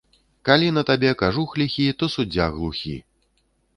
Калі на табе кажух ліхі, то суддзя глухі